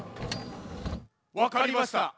わかりました。